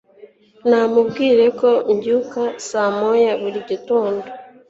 Namubwiye ko mbyuka saa moya buri gitondo.